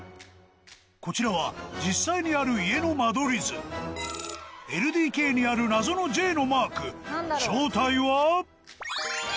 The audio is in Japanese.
こちらは実際にある家の間取り図ＬＤＫにある謎のＪのマーク正体は？